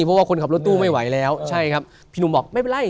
เพราะว่าคนขับรถตู้ไม่ไหวแล้วใช่ครับพี่หนุ่มบอกไม่เป็นไร